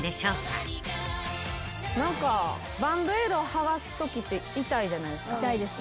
バンドエイドを剥がすときって痛いじゃないですか。